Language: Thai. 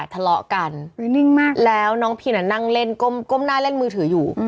ทะเลาะกันนิ่งมากแล้วน้องพินนั่งเล่นก้มหน้าเล่นมือถืออยู่